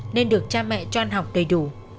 nên được cha mẹ cho ăn học đầy đủ